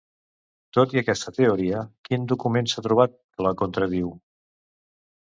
Tot i aquesta teoria, quin document s'ha trobat que la contradiu?